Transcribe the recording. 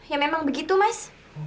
ya memang begitu mas